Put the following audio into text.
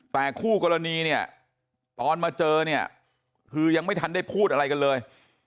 แต่คู่กรณีเนี่ยตอนมาเจอเนี่ยคือยังไม่ทันได้พูดอะไรกันเลย